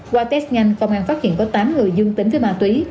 qua test nhanh công an phát hiện có tám người dương tính với ma túy